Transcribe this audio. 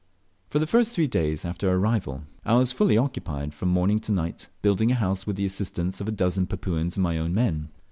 For the first three days after our arrival I was fully occupied from morning to night building a house, with the assistance of a dozen Papuans and my own men.